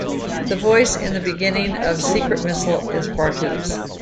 The voice in the beginning of "Secret Missile" is Bartu's.